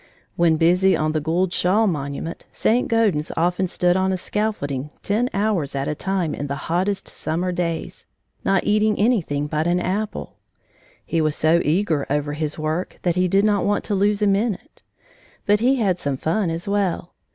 When busy on the Gould Shaw monument, St. Gaudens often stood on a scaffolding ten hours at a time in the hottest summer days, not eating anything but an apple. He was so eager over his work that he did not want to lose a minute. But he had some fun as well.